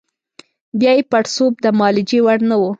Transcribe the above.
بیا یې پړسوب د معالجې وړ نه وو.